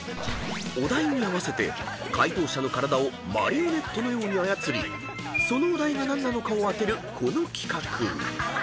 ［お題に合わせて解答者の体をマリオネットのように操りそのお題が何なのかを当てるこの企画］